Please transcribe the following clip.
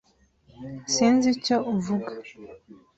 Sinzi icyo uvuga.